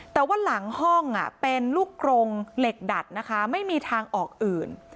แต่ว่าหลังห้องเป็นลูกกรงเหล็กดัดนะคะไม่มีทางออกอื่น